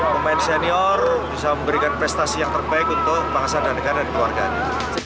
pemain senior bisa memberikan prestasi yang terbaik untuk bangsa dan negara dan keluarganya